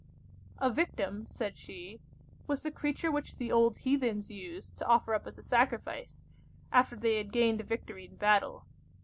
"A victim," said she, "was the creature which the old heathens used to offer up as a sacrifice, after they had gained a victory in battle.